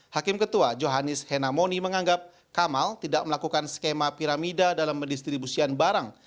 hakim ketua johanis henamoni menganggap kamal tidak melakukan skema piramida dalam mendistribusian barang